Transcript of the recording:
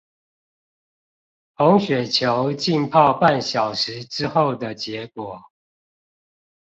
紅血球浸泡半小時之後的結果